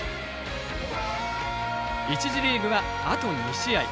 １次リーグはあと２試合。